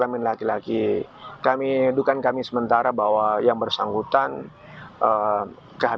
tapi kita anti penghandal yang bisa ahok dan angkuh